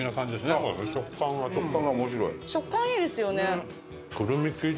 食感いいですよね。